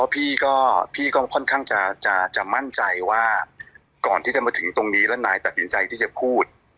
พี่ก็ค่อนข้างจะมั่นใจว่าก่อนที่จะมาถึงตรงนี้แล้วนายตัดสินใจที่จะพูด